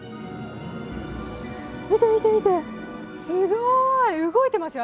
見て見てみて、すごい、動いてますよ。